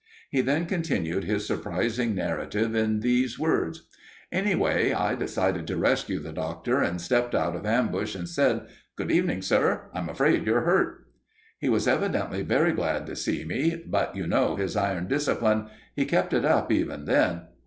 He then continued his surprising narrative in these words: "Anyway, I decided to rescue the Doctor, and stepped out of ambush and said: "'Good evening, sir. I'm afraid you're hurt.' "He was evidently very glad to see me; but you know his iron discipline. He kept it up even then.